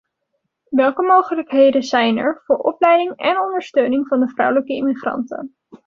Welke mogelijkheden zijn er voor opleiding en ondersteuning van de vrouwelijke immigranten?